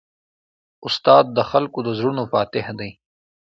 استاد د خلکو د زړونو فاتح دی.